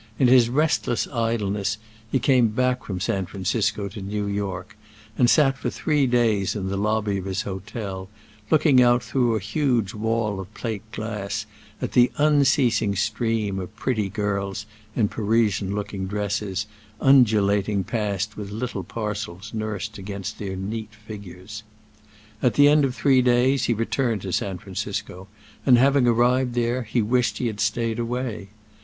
In his restless idleness he came back from San Francisco to New York, and sat for three days in the lobby of his hotel, looking out through a huge wall of plate glass at the unceasing stream of pretty girls in Parisian looking dresses, undulating past with little parcels nursed against their neat figures. At the end of three days he returned to San Francisco, and having arrived there he wished he had stayed away.